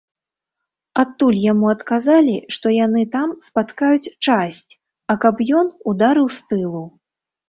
Адтуль яму адказалі, што яны там спаткаюць часць, а каб ён ударыў з тылу.